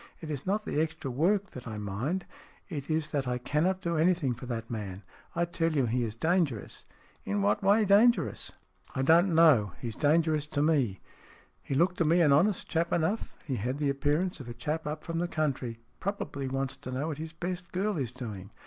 It is not the extra work that I mind. It is that I cannot do anything for that man. I tell you he is dangerous." "In what way dangerous ?" SMEATH 27 " I don't know. He is dangerous to me." " He looked to me an honest man enough. He had the appearance of a chap up from the country. Probably wants to know what his best girl is doing.